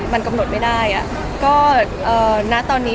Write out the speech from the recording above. มันกำหนดไม่ได้